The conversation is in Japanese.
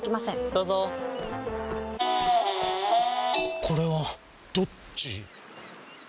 どうぞこれはどっち？